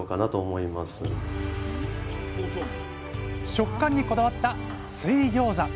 食感にこだわった水ギョーザ。